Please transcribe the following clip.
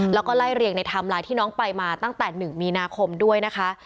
แล้วก็ไล่เรียงในไทม์ไลน์ที่น้องไปมาตั้งแต่๑มีนาคมด้วยนะคะ